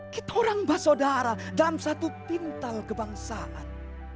kita orang bahasodara dan satu pintal kebangsaan